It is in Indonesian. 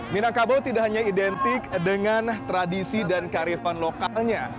minangkabau tidak hanya identik dengan tradisi dan karifan lokalnya